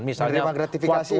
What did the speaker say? menerima gratifikasi misalnya